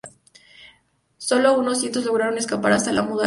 Sólo unos cientos lograron escapar hasta el Amu Daria.